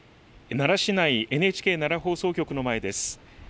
奈良市内ＮＨＫ奈良放送局の前です。